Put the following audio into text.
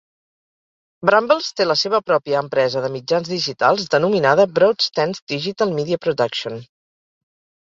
Brambles té la seva pròpia empresa de mitjans digitals denominada Broadstance Digital Media Production.